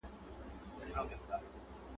د دلارام بازار د ټرانزیټي اموالو یو مهم تمځای دی